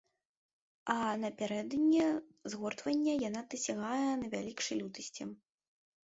А напярэдадні згортвання яна дасягае найвялікшай лютасці.